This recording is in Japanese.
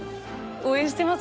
応援してます！